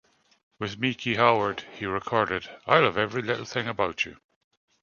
With Miki Howard he recorded "I Love Every Little Thing About You".